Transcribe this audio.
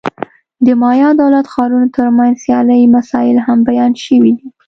د مایا دولت-ښارونو ترمنځ سیالۍ مسایل هم بیان شوي دي.